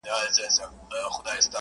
خير دی ، دى كه اوسيدونكى ستا د ښار دى.